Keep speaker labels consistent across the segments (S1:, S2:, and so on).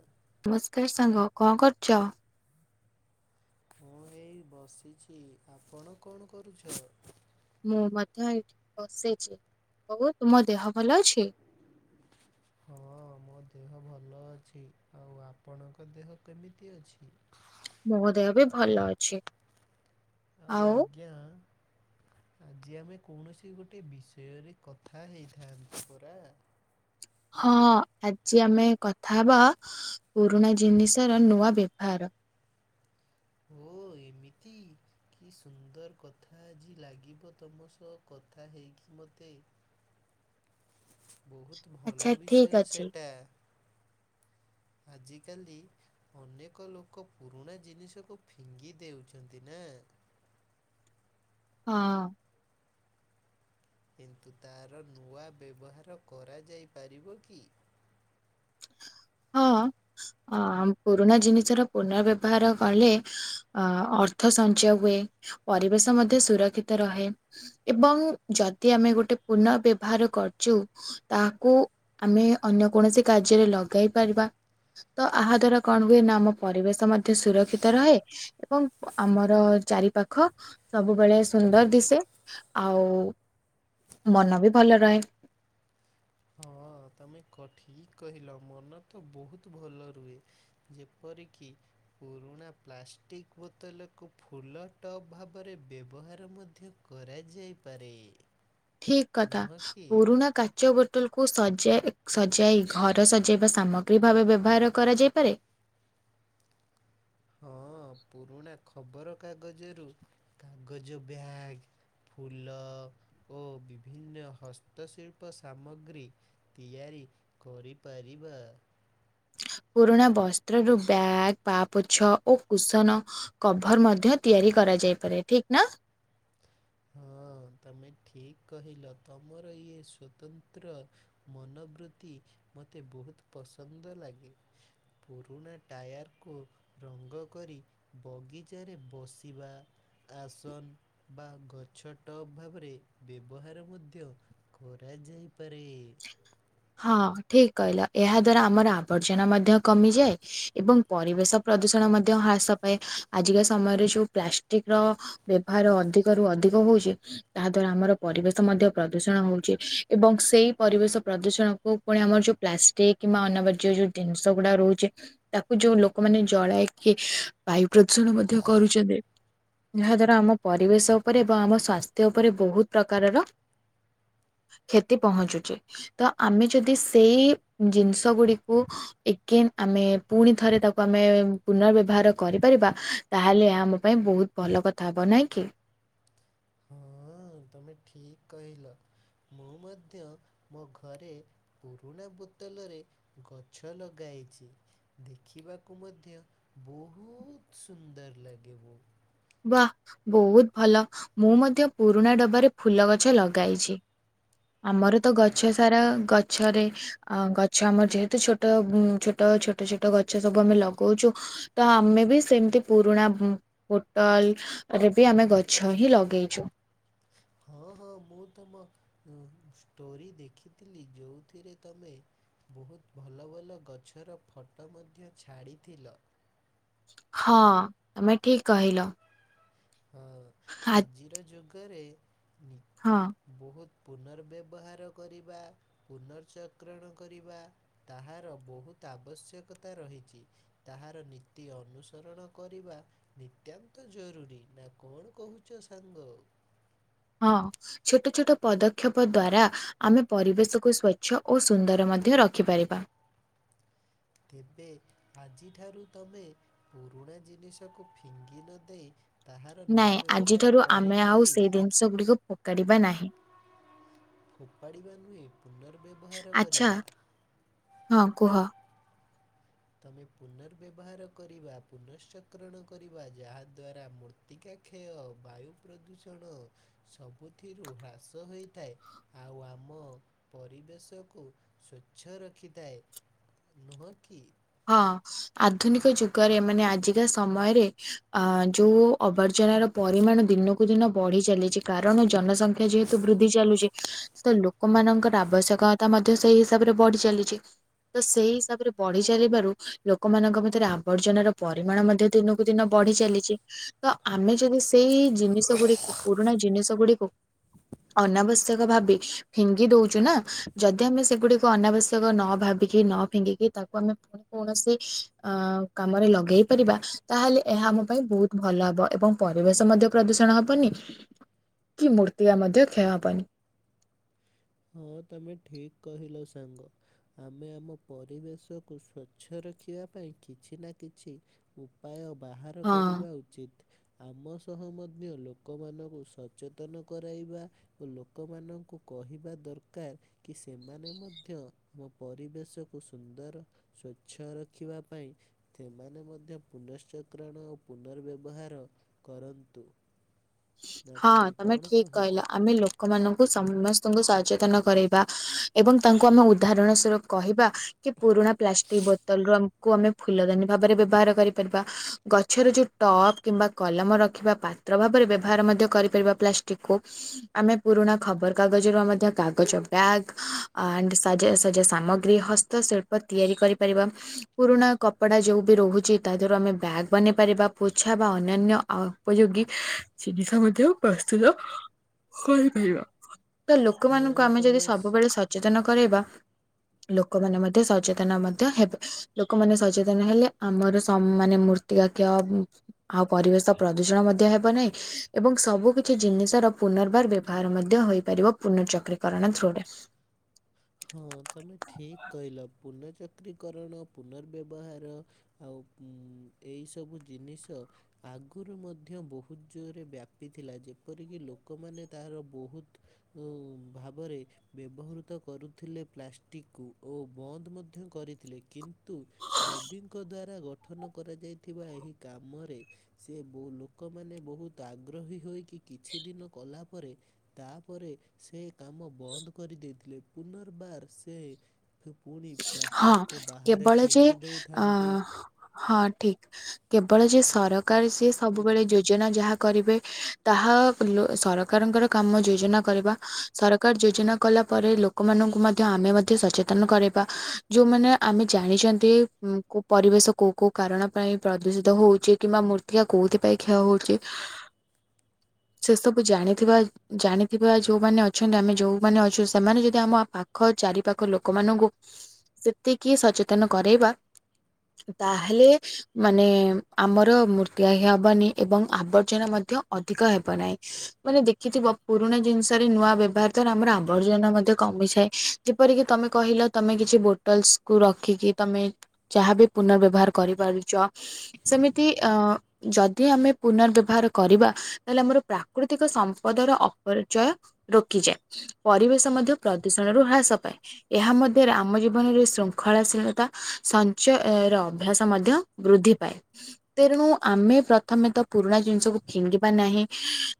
S1: ହ
S2: ନମସ୍କାର ସାଙ୍ଗ କଣ କରୁଛ?
S1: ମୁଁ ଏଇ ବସିଛି ଆପଣ କଣ କରୁଛ?
S2: ମୁଁ ମଧ୍ୟ ଏଇଠି ବସେଇଛି [unintelligible] ତୁମ ଦେହ ଭଲ ଅଛି?
S1: ହଁ ମୋ ଦେହ ଭଲ ଅଛି। ଆଉ ଆପଣଙ୍କ ଦେହ କେମିତି ଅଛି?
S2: ମୋ ଦେହ ବି ଭଲ ଅଛି।
S1: ଆଉ ଆଜ୍ଞା ଆଜି ଆମେ କୌଣସି ଗୋଟେ ବିଷୟରେ କଥା ହେଇଥାନ୍ତେ ପରା?
S2: ହଁ-ଅ-ଅ ଆଜି ଆମେ କଥା ହବା ପୁରୁଣା ଜିନିଷ ର ନୂଆ ବ୍ୟବହାର।
S1: ଓ ଏମିତି। କି ସୁନ୍ଦର କଥା ଆଜି ଲାଗିବ ତମ ସହ କଥା ହେଇକି ମୋତେ। ବହୁତ
S2: ଆଚ୍ଛା
S1: ଭଲ
S2: ଠିକ୍
S1: ବିଷୟ
S2: ଅଛି।
S1: ସେଟା। ଆଜିକାଲି ଅନେକ ଲୋକ ପୁରୁଣା ଜିନିଷକୁ ଫିଙ୍ଗି ଦେଉଛନ୍ତି ନା?
S2: ହଁ।
S1: କିନ୍ତୁ ତାର ନୂଆ ବ୍ୟବହାର କରାଯାଇପାରିବ କି?
S2: ହଁ-ଅ-ଅ ଅ-ଅ ପୁରୁଣା ଜିନିଷ ର ପୁର୍ନବ୍ୟବହାର କଲେ ଅ ଅର୍ଥ ସଞ୍ଚୟ ହୁଏ ପରିବେଶ ମଧ୍ୟ ସୁରକ୍ଷିତ ରହେ। ଏବଂ ଯଦି ଆମେ ଗୋଟେ ପୁନବେବହାର କରୁଛୁ ତାହାକୁ ଆମେ ଅନ୍ୟ କୌଣସି କାର୍ଯ୍ୟରେ ଲଗାଇ ପାରିବା। ତ ଆହା ଦ୍ଵାରା କଣ ହୁଏ ନା ଆମ ପରିବେଶ ମଧ୍ୟ ସୁରକ୍ଷିତ ରହେ। ଏବଂ ଆମର ଚାରିପାଖ ସବୁବେଳେ ସୁନ୍ଦର ଦିଶେ। ଆଉ ମନ ବି ଭଲ ରହେ।
S1: ହଁ ତମେ ଏକ ଠିକ କହିଲ ମନ ତ ବହୁତ ଭଲ ରୁହେ। ଯେପରିକି ପୁରୁଣା ପ୍ଲାଷ୍ଟିକ୍ ବୋତଲକୁ ଫୁଲ ଟପ୍ ଭାବରେ ବ୍ୟବହାର ମଧ୍ୟ କରାଯାଇ ପାରେ।
S2: ଠିକ କଥା ପୁରୁଣା କା ଚୋ ବୋଟଲକୁ ସଜା ସଜାଇ ଘର ସଜାଇବା ସାମଗ୍ରୀ ଭାବେ ବ୍ୟବହାର କରାଯାଇପାରେ?
S1: ହଁ ପୁରୁଣା ଖବରକାଗଜରୁ କାଗଜ ବ୍ୟାଗ୍। ଫୁଲ ଓ ବିଭିନ୍ନ ହସ୍ତଶିଳ୍ପ ସାମଗ୍ରୀ ତିଆରି କରି ପାରିବା।
S2: ପୁରୁଣା ବସ୍ତ୍ର ରୁ ବ୍ୟାଗ ପା ପୋଛ ଓ କୁସନ କଭର ମଧ୍ୟ ତିଆରି କରାଯାଇପାରେ ଠିକ୍ ନା?
S1: ହଁ ତମେ ଠିକ କହିଲ ତମର ଇଏ ସ୍ଵତନ୍ତ୍ର ମନୋବୃତ୍ତି ମୋତେ ବହୁତ ପସନ୍ଦ ଲାଗେ। ପୁରୁଣା ଟାୟାରକୁ ରଙ୍ଗ କରି ବଗିଚାରେ ବସିବା ଆସନ ବା ଗ ଗଛ ଟପ୍ ଭାବରେ ବ୍ୟବହାର ମଧ୍ୟ କରାଯାଇପାରେ।
S2: ହଁ ଠିକ କହିଲ ଏହା ଦ୍ଵାରା ଆମର ଆବର୍ଜନା ମଧ୍ୟ କମିଯାଏ ଏବଂ ପରିବେଶ ପ୍ରଦୂଷଣ ମଧ୍ୟ ହ୍ରାସ ପାଏ ଆଜିକା ସମୟରେ ଯୋଉ ପ୍ଲାଷ୍ଟିକ ର ବ୍ୟବହାର ଅଧିକରୁୁ ଅଧିକ ହଉଚି ତାହା ଦ୍ଵାରା ଆମର ପରିବେଶ ମଧ୍ୟ ପ୍ରଦୂଷଣ ହଉଚି ଏବଂ ସେଇ ପରିବେଶ ପ୍ରଦୂ ଜଣଙ୍କୁ ପୁଣି ଆମର ଯୋଉ ପ୍ଲାଷ୍ଟିକ କିମ୍ବା ଅନାବାଜ୍ୟ ଯୋଉ ଜିନିଷ ଗୁଡା ରହୁଚି। ତାକୁ ଯୋଉ ଲୋକମାନେ ଜଳାଇକି ବାୟୁ ପ୍ରଦୂଷଣ ମଧ୍ୟ କରୁଚନ୍ତି। ଯାହା ଦ୍ଵାରା ଆମ ପରିବେଶ ଉପରେ ବା ଆମ ସ୍ଵାସ୍ଥ୍ୟ ଉପରେ ବହୁତ ପ୍ରକାରର କ୍ଷତି ପହଁଞ୍ଚୁଚି, ତ ଆମେ ଯଦି ସେଇ ଜିନିଷ ଗୁଡିକୁ ଏଗେନ୍ ଆମେ ପୁଣି ଥରେ ତାକୁ ଆମେ ପୁନଃବ୍ୟବହାର କରିପାରିବା। ତାହେଲେ ଏହା ଆମ ପାଇଁ ବହୁତ ଭଲ କଥା ହେବ ନାଇଁ କି?
S1: ହଁ ତମେ ଠିକ କହିଲ, ମୁଁ ମଧ୍ୟ ମୋ ଘରେ ପୁରୁଣା ବୋତଲରେ ଗଛ ଲଗାଇଚି। ଦେଖିବାକୁ ମଧ୍ୟ ବହୁତ ସୁନ୍ଦର ଲାଗିବୋ।
S2: ୱା ବହୁତ ଭଲ, ମୁଁ ମଧ୍ୟ ପୁରୁଣା ଡବାରେ ଫୁଲ ଗଛ ଲଗାଇଛି। ଆମର ତ
S1: ଆ
S2: ଗଛ ସାରା ଗଛରେ ଆ ଗଛ ଆମର ଯେହେତୁ ଛୋଟ ଉଁ ଛୋଟ ଛୋଟ ଛୋଟ ଗଛ ସବୁ ଆମେ ଲଗଉଛୁ। ତ ଆମେ ବି ସେମିତି ପୁରୁଣା ଉଁ। ବଟଲ ରେ ବି ଆମେ ଗଛ ହିଁ ଲଗେଇଛୁ।
S1: ହଁ ହଁ ମୁଁ ତମ ଉଁ ଷ୍ଟୋରି ଦେଖିଥିଲି ଯୋଉଥିରେ ତମେ ବହୁତ ଭଲ ଭଲ ଗଛର ଫଟୋ ମଧ୍ୟ ଛାଡ଼ିଥିଲ।
S2: ହଁ ତମେ ଠିକ କହିଲ।
S1: ହଁ
S2: ହା
S1: ଆଜିର ଯୁଗରେ ନି
S2: ହଁ।
S1: ବହୁତ ପୁନର୍ବ୍ୟବହାର କରିବା ପୁନର୍ଚକ୍ରଣ କରିବା। ତାହାର ବହୁତ ଆବଶ୍ୟକତା ରହିଚି। ତାହାର ନୀତି ଅନୁସରଣ କରିବା ନିତ୍ୟାନ୍ତ ଜରୁରୀ। ନା କଣ କହୁଚ ସାଙ୍ଗ?
S2: ହଁ। ଛୋଟ ଛୋଟ ପଦକ୍ଷେପ ଦ୍ଵାରା ଆମେ ପରିବେଶକୁ ସ୍ଵଚ୍ଛ ଓ ସୁନ୍ଦର ମଧ୍ୟ ରଖିପାରିବା।
S1: ତେବେ ଆଜିଠାରୁ ତମେ ପୁରୁଣା ଜିନିଷକୁ ଫିଙ୍ଗି ନ ଦେ
S2: ନାଇଁ ଆଜିଠାରୁ ଆମେ ଆଉ
S1: କି?
S2: ସେଇ ଜିନିଷ ଗୁଡିକୁ ଫୋକାଡିବା ନାହିଁ।
S1: ଖୋପାଡ଼ିବା ନୁହେଁ ପୁନର୍ବ୍ୟବହାର
S2: ଆଚ୍ଛା
S1: କରିବା।
S2: ହଁ କୁହ।
S1: ତମେ ପୁନର୍ବ୍ୟବହାର କରିବା ପୁନଶ୍ଚକ୍ରଣ କରିବା ଯାହାଦ୍ଵାରା ମୃ ତିକା କ୍ଷୟ ବାୟୁ ପ୍ରଦୂଷଣ ସବୁଥିରୁ ହ୍ରାସ ହୋଇଥାଏ। ଆଉ ଆମ ପରିବେଶକୁ ସ୍ବଚ୍ଛ ରଖିଥାଏ। ନୁହଁ କି?
S2: ହଁ ଆଧୁନିକ ଯୁଗରେ ମାନେ ଆଜିକା ସମୟରେ। ଆ ଯୋଉ ଅବାର୍ଜନାର ପରିମାଣ ଦିନକୁ ଦିନ ବଢି ଚାଲିଚି କାରଣ ଜନସଂଖ୍ୟା ଯେ ତ ବୃଦ୍ଧି ଚାଲୁଚି ତ ଲୋକମାନଙ୍କର ଆବଶ୍ୟକତା ମଧ୍ୟ ସେଇ ହିସାବରେ ବଢି ଚାଲିଚି। ତ ସେଇ ହିସାବରେ ବ ବଢି ଚାଲିବାରୁ ଲୋକମାନଙ୍କ ଭିତରେ ଆବର୍ଜନାର ପରିମାଣ ମଧ୍ୟ ଦିନକୁ ଦିନ ବଢି ଚାଲିଚି। ତ ଆମେ ଯଦି ସେଇ ଜିନିଷ ଗୁଡିକୁ ପୁରୁଣା ଜିନିଷ ଗୁଡିକୁ। ଅନାବଶ୍ୟକ ଭାବି ଫିଙ୍ଗି ଦଉଚୁ ନା ଯଦି ଆମେ ସେଗୁଡିକୁ ଅନାବଶ୍ୟକ ନ ଭାବି। କି ନ ଫିଙ୍ଗିକି ତାକୁ ଆମେ ପୁଣି କୌଣସି ଆ କାମରେ ଲଗେଇ ପାରିବା ତାହେଲେ ଏହା ଆମ ପାଇଁ ବହୁ ଭଲ ହେବ ଏବଂ ପରିବେଶ ମଧ୍ୟ ପ୍ରଦୂଷଣ ହବନି।
S1: [inaudible]
S2: କି ମୂର୍ତ୍ତିକା ମଧ୍ୟ କ୍ଷୟ ହେବନି।
S1: ହଁ ତମେ ଠିକ୍ କହିଲ ସାଙ୍ଗ। ଆମେ ଆମ ପରିବେଶକୁ ସ୍ଵଚ୍ଛ ରଖିବା ପାଇଁ କିଛି ନା କିଛି। ଉପାୟ ବାହାର
S2: ହଁ।
S1: କରିବା ଉଚିତ। ଆମ ସହ ମଧ୍ୟ ଲୋକମାନଙ୍କୁ ସଚେତନ କରାଇବା। ଓ ଲୋକମାନଙ୍କୁ କହିବା। ଦରକାର କି ସେମାନେ ମଧ୍ୟ ଆମ ପରିବେଶକୁ ସୁନ୍ଦର। ସ୍ଵଚ୍ଛ ରଖିବା ପାଇଁ। ସେମାନେ ମଧ୍ୟ ପୁନଶ୍ଚକ୍ରଣ ଓ ପୁନର୍ବ୍ୟବହାର। କରନ୍ତୁ। ନା
S2: ହଁ ତମେ
S1: କଣ
S2: ଠିକ୍
S1: କହିଛ?
S2: କହିଲ ଆମେ ଲୋ କମାନଙ୍କୁ ସମସ୍ତଙ୍କୁ ସଚେତନ କରେଇବା ଏବଂ ତାଙ୍କୁ ଆମ ଉଦାହରଣ ସ୍ଵ କହିବା କି ପୁରୁଣା ପ୍ଲାଷ୍ଟିକ ବୋତଲ ର କୁ ଆମେ ଫୁଲଦାନୀ ଭାବରେ ବ୍ୟବହାର କରିପାରିବା ଗଛରେ ଯୋଉ ଟପ କିମ୍ବା କଲମ ରଖିବା ପା ତ୍ର ଭାବରେ ବ୍ୟବହାର ମଧ୍ୟ କରିପାରିବା ପ୍ଲାଷ୍ଟିକ୍ କୁ। ଆମେ ପୁରୁଣା ଖବର କାଗଜରୁ ଆ ମଧ୍ୟ କାଗଜ ବ୍ୟାଗ୍ ଆଣ୍ଡ ସାଜ ସଜା ସାମଗ୍ରୀ ହ ତ ଶିଳ୍ପ ତିଆରି କରିପାରିବା। ପୁରୁଣା କପଡ଼ା ଯୋଉ ବି ରହୁଛି ତା ଧୀଅରୁ ଆମେ ବ୍ୟାଗ୍ ବନେଇ ପାରିବା ପୋଛା ବା ଅନ୍ୟାନ୍ୟ ଆ ଉପଯୋଗୀ ଜିନିଷ ମଧ୍ୟ ପ୍ରସ୍ତୁତ କରିପାରିବା। ତ ଲୋକମାନଙ୍କୁ
S1: ହଁ
S2: ଆମେ ଯଦି
S1: ତମେ
S2: ସବୁବେଳେ ସଚେତନ କରେଇବା ଲୋକମାନେ ମଧ୍ୟ ସଚେତନ ମଧ୍ୟ ହେବେ ଲୋକମାନେ ସଚେତନ ହେଲେ ଆମର ସମୁ ମାନେ ସମୃ ମୃତ୍ତିକା କ୍ଷୟ ଆଉ ପରିବେଶ ପ୍ରଦୂଷଣ ମଧ୍ୟ ହେବନାହିଁ ଏବଂ ସବୁ କିଛି ଜିନିଷର ପୁନର୍ବାର ବ୍ୟବହାର ମଧ୍ୟ ହୋଇପାରିବ ପୁନଃଚକ୍ରିକରଣ ଥ୍ରୁରେ।
S1: ହଁ ତମେ ଠିକ୍ କହିଲ ପୁନଃଚକ୍ରିକରଣ ପୁନର୍ବ୍ୟବହାର ଆଉ ଉଁ ଏଇ ସବୁ ଜିନିଷ ଆଗରୁ ମଧ୍ୟ ବହୁତ୍ ଜୋରେ ବ୍ୟାପିଥିଲା ଯେପରିକି ଲୋକମାନେ ତାହାର ବହୁତ୍ ଉଁ ଭାବରେ ବ୍ୟବହୃତ କରୁଥିଲେ ପ୍ଲାଷ୍ଟିକ୍ କୁ ଓ ବନ୍ଦ ମଧ୍ୟ କରିଥିଲେ କିନ୍ତୁ ମୋଦିଙ୍କ ଦ୍ଵାରା ଗଠନ କରାଯାଇଥିବା ଏହି କାମରେ ସେ ବ ଲୋକମାନେ ବହୁତ୍ ଆଗ୍ରହୀ ହୋଇକି କିଛି ଦିନ କଲା ପରେ ତାପରେ ସେ କାମ ବନ୍ଦ କରି ଦେଇେଥିଲେ ପୁନର୍ବାର ସେ ଫୁ ପୁଣି
S2: ହଁ
S1: ପ୍ଲାଷ୍ଟିକକୁ ବାହାରେ
S2: କେବଳ ଯେ
S1: ଫିଙ୍ଗି ଦେଉଥାନ୍ତି
S2: କେବଳଯେ ସରକାର
S1: ତ
S2: ସିଏ
S1: ପୋଷ୍ଟରେ
S2: ସବୁବେଳେ ଯୋ ଯୋଜନା ଯାହା କରିବେ ତାହା ଲୋ ସରକାରଙ୍କର କାମ ଯୋଜନା କରିବା ସରକାର ଯୋଜନା କଲା ପରେ ଲୋକମାନଙ୍କୁ ମଧ୍ୟ ଆମେ ମଧ୍ୟ ସଚେତନ କରେଇ ବା ଯୋଉମାନେ ଆମେ ଜାଣିଚନ୍ତି ପରିବେଶ କୋଉ କୋଉ କାରଣ ପାଇଁ ପ୍ରଦୂଷିତ ହଉଚି କିମ୍ବା ମୂର୍ତ୍ତିକା କୋଉଥିପାଇଁ କ୍ଷୟ ହଉଚି
S1: [inaudible]
S2: ସେ ସବୁ ଜାଣିଥିବା ଜାଣିଥିବା ଯୋଉମାନେ ଅଛନ୍ତି ଆମେ ଯୋଉମାନେ ଅଛୁ ସେମାନେ ଯଦି ଆମ ପାଖ ଚାରି ପାଖ ଲୋକମାନଙ୍କୁ ସେତିକି ସଚେତନ କରେଇବା ତାହେଲେ ମାନେ ଆମର ମୂର୍ତ୍ତିକା କ୍ଷୟ ହବନି ଏବଂ ଆବର୍ଜନା ମଧ୍ୟ ଅଧିକ ହେବ ନାହିଁ। ମାନେ ଦେଖିଥିବ ପୁରୁଣା ଜିନିଷରେ ନୂଆ ବ୍ୟବହାର ଦ୍ୱାରା ଆମର ଆବର୍ଜନା ମଧ୍ୟ କମିଯାଏ ଯେପରିକି ତମେ କହିଲ ତମେ କିଛି ବୋଟଲସକୁୁ ରଖିକି ତମେ ଯାହାବି ପୁନଃର ବ୍ୟବହାର କରିପାରୁଚ ସେମିତି ଅ ଯଦି ଆମେ ମୁନଃ ବ୍ୟବହାର କରିବା ତାହେଲେ ଆମର ପ୍ରାକୃତିକ ସମ୍ପଦର ଅପରିଚୟ ରୋକିଯାଏ ପରିବେଶ ମଧ୍ୟ ପ୍ରଦୂଷଣରୁ ହ୍ରାସ ପାଏ ଏହା ମ ଆମ ଜୀବନରେ ଶୃଙ୍ଖଳାଶୀଳତା ସଞ୍ଚୟ ର ଅଭ୍ୟାସ ମଧ୍ୟ ବୃଦ୍ଧି ପାଏ। ତେଣୁ ଆମେ ପ୍ରଥମେତ ପୁରୁଣା ଜିନିଷକୁ ଫିଙ୍ଗିବା ନାହିଁ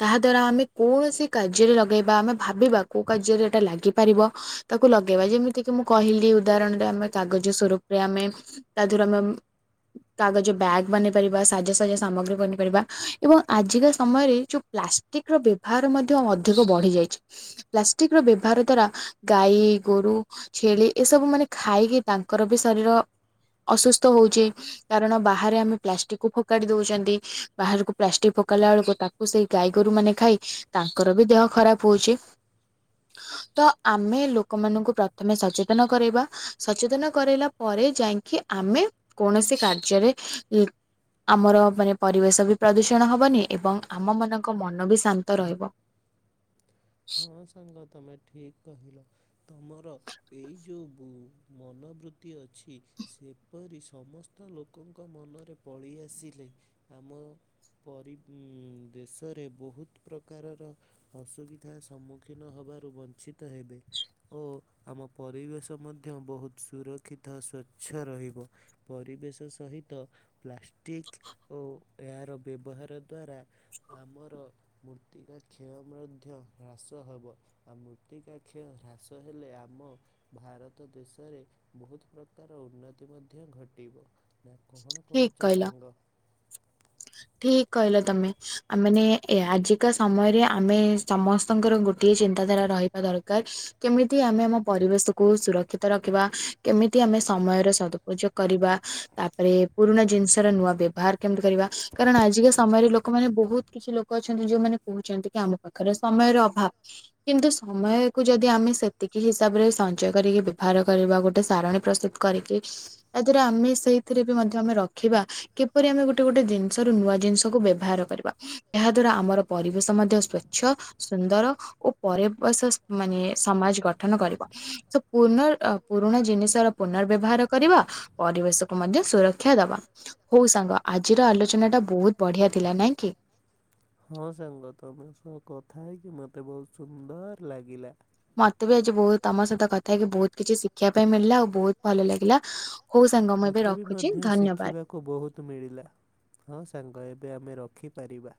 S2: ତାହା ଦ୍ଵାରା ଆମେ କୌଣସି କାର୍ଯ୍ୟରେ ଲଗେଇବା ଆମେ ଭାବିବା କୋଉ କାର୍ଯ୍ୟରେ ଏଟା ଲାଗିପାରିବ ତାକୁ ଲଗେଇବା ଯେମି ଏତିକି ମୁଁ କହିଲି ଉଦାହରଣରେ ଆମେ କାଗଜ ସ୍ଵରୂପରେ ଆମେ ତାଦେହରୁ ଆମେ କାଗଜ ବ୍ୟାଗ୍ ବନେଇ ପାରିବା ସାଜାସଜ ସାମଗ୍ରୀ ବନେଇ ପାରିବା ଏବଂ ଆଜିକା ସମୟରେ ଯୋ ପ୍ଲାଷ୍ଟିକିର ବ୍ୟବହାର ମଧ୍ୟ ଅଧିକ ବଢି ଯାଇଚି ପ୍ଲାଷ୍ଟିକର ବ୍ୟବହାର ଦ୍ଵାରା ଗାଈ ଗୋରୁ ଛେଳି ଏସବୁ ମାନେ ଖାଇକି ତାଙ୍କରବି ଶରୀର ଅସୁସ୍ଥ ହଉଚି କାରଣ ବାହାରେ ଆମେ ପ୍ଲାଷ୍ଟିକକୁ ଫୋପାଡ଼ି ଦଉଚନ୍ତି ବାହାରକୁ ପ୍ଲାଷ୍ଟିକ ଫୋକାଡ଼ିଲା ବେଳକୁ ତାକୁ କୁ ସେଇ ଗାଈ ଗୋରୁ ମାନେ ଖାଇ ତାଙ୍କରବି ଦେହ ଖରାପ୍ ହଉଚି।
S1: [inaudible]
S2: ତ ଆମେ ଲୋକମାନଙ୍କୁ ପ୍ର ତମେ ସଚେତନ କରାଇବା ସଚେତନ କରାଇଲା ପରେ ଯାଇକି ଆମେ କୌଣସି କାର୍ଯ୍ୟରେ ଇଁ ଆମର ମାନେ ପରିବେଶବି ପ୍ରଦୂଷଣ ହବନି ଏବଂ ଆମ ମାନଙ୍କ ମନବି ଶାନ୍ତ ରହିବ।
S1: ହଁ ସାଙ୍ଗ ତମେ ଠିକ୍ କହିଲ ତମର ଏଇ ଯୋଉ ବୋଉ ମନୋବୃତ୍ତି ଅଛି। ସେପରି ସମସ୍ତ ଲୋକଙ୍କ ମନରେ ପଳେଇ ଆସିଲେ ଆମ ପରି ଉଁମ୍ ବେଶରେ ବୋହୁତ ପ୍ରକାରର ଅସୁବି ଧା ସମ୍ମୁଖୀନ ହବାରୁ ବଞ୍ଚିତ ହେବେ। ଓ ଆମ ପରିବେଶ ମଧ୍ୟ ବୋହୁତ ସୁରକ୍ଷିତ ସ୍ୱଚ୍ଛ ରହିବ। ପରିବେଶ ସହିତ ପ୍ଲାଷ୍ଟିକ ଓ ଏହାର ବ୍ୟବହାର ଦ୍ଵାରା ଆମର ମୂର୍ତ୍ତିକା କ୍ଷୟ ମଧ୍ୟ ହ୍ରାସ ହବ ଆ ମୃତ୍ତିକା କ୍ଷୟ ହ୍ରାସ ହେଲେ ଆମ ଭାରତ ଦେଶରେ ବହୁତ ପ୍ରକାର ଉନ୍ନତି ମଧ୍ୟ ଘଟିବ। ନା କହଣ କହୁଛ ସାଙ୍ଗ?
S2: ଠିକ୍ କହିଲ ତମେ ଆମ୍ ମାନେ ଏ ଆଜିକା ସମୟରେ ଆମେ ସମସ୍ତଙ୍କର ଗୋଟିଏ ଚିନ୍ତାଧାରା ରହିବା ଦରକାର। କେମିତି ଆମେ ଆମ ପରିବେଶକୁ ସୁରକ୍ଷିତ ରଖିବା କେମିତି ଆମେ ସମୟରେ ସଦ୍ ଉପଯୋଗ୍ କରିବା ତାପରେ ପୁରୁଣା ଜିନିଷ ର ନୂଆ ବ୍ୟବହାର କେମିତି କରିବା କାରଣ ଆଜିକା ସମୟରେ ଲୋକମାନେ ବୋହୁତ କିଛି ଲୋକ ଅଛନ୍ତି ଯୋଉମାନେ କହୁଛନ୍ତି କି ଆମ ପାଖରେ ସମୟର ଅଭାବ। କିନ୍ତୁ ସମୟକୁ ଯଦି ଆମେ ସେତିକି ହିସାବରେ ସଞ୍ଚୟ କରିକି ବ୍ୟବହାର କରିବା ଗୋଟେ ସାରଣୀ ପ୍ରସ୍ତୁତ୍ କରିକି ତା ଦ୍ଵାରା ଆମେ ସେଇଥିରେ ବି ମଧ୍ୟ ଜ ଆମେ ରଖିବା କିପରି ଆମେ ଗୋଟେ ଗୋଟେ ଜିନିଷ ର ନୂଆ ଜିନିଷକୁ ବ୍ୟବହାର କରିବା। ଏହା ଦ୍ଵାରା ଆମର ପରିବେଶ ମଧ୍ୟ ସ୍ଵଚ୍ଛ ସୁନ୍ଦର ଓ ପରେ ବେସସ୍ ମାନେ ସମାଜ ଗଠନ କରିବ ସ ପୁନର ଅ ପୁରୁଣା ଜିନିଷର ପୁନର ବ୍ୟବହାର କରିବ ପରିବେଶକୁ ମଧ୍ୟ ସୁର କକ୍ଷା ଦବା ହଉ ସାଙ୍ଗ ଆଜିର ଆଲୋଚନାଟା ବୋହୁତ ବଢ଼ିଆ ଥିଲା ନାଇଁ କି?
S1: ହଁ ସାଙ୍ଗ ତମ ସହ କଥା ହେଇକି ମତେ ବୋହୁତ ସୁନ୍ଦର ଲାଗିଲା।
S2: ମତେ ବି ଆଜି ବୋହୁତ ତମ ସହିତ କଥା ହେଇକି ବୋହୁତ କିଛି ଶିଖିବା ପାଇଁ ମିଳିଲା ଆଉ ବୋହୁତ ଭଲ ଲାଗିଲା। ହୋଉ ସାଙ୍ଗ ମୁଁ ଏବେ ରଖୁଛି ଧନ୍ୟବାଦ।
S1: କୁ ବୋହୁତ ମିଳିଲା ହଁ ସାଙ୍ଗ ଏବେ ଆମେ ରଖିପାରିବା।